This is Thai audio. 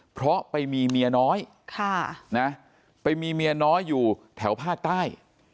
เพราะไปมีเมียน้อยไปมีเมียน้อยอยู่แถวภาคใต้